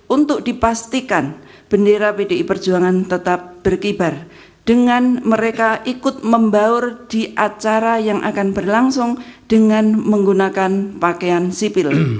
untuk dipastikan bendera pdi perjuangan tetap berkibar dengan mereka ikut membaur di acara yang akan berlangsung dengan menggunakan pakaian sipil